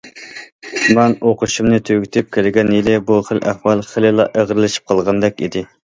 مەن ئوقۇشۇمنى تۈگىتىپ كەلگەن يىلى بۇ خىل ئەھۋال خېلىلا ئېغىرلىشىپ قالغاندەك ئىدى.